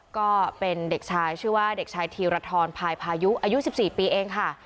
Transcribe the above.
ก็เป็นเด็กชายชื่อว่าเด็กชายธีรทรพายพายุอายุ๑๔ปีเองค่ะ